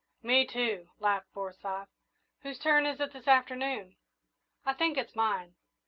"Me, too," laughed Forsyth. "Whose turn is it this afternoon?" "I think it's mine.